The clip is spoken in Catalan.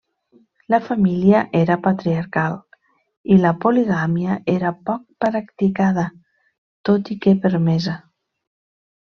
La família era patriarcal, i la poligàmia era poc practicada, tot i que permesa.